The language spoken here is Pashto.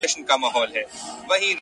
زړه چي په لاسونو کي راونغاړه-